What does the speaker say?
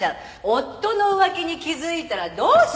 「夫の浮気に気づいたらどうするか？」